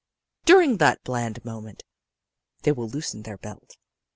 "During that bland moment they will loosen their belt.